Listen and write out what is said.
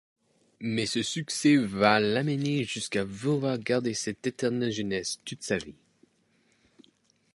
Mais ce succès va l'amener jusqu'à vouloir garder cette éternelle jeunesse toute sa vie.